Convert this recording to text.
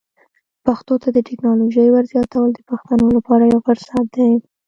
پښتو ته د ټکنالوژۍ ور زیاتول د پښتنو لپاره یو فرصت دی.